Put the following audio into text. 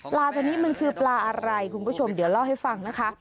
ตัวนี้มันคือปลาอะไรคุณผู้ชมเดี๋ยวเล่าให้ฟังนะคะ